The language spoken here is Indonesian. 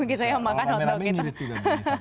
kalau rame rame ngirit juga